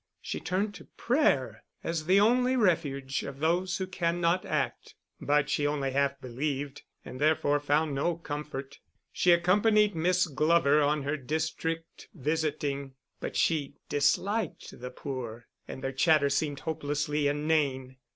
She turned to prayer as the only refuge of those who cannot act, but she only half believed, and therefore found no comfort. She accompanied Miss Glover on her district visiting, but she disliked the poor, and their chatter seemed hopelessly inane.